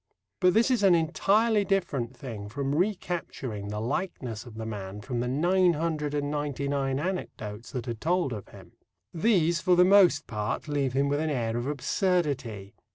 But this is an entirely different thing from recapturing the likeness of the man from the nine hundred and ninety nine anecdotes that are told of him. These for the most part leave him with an air of absurdity.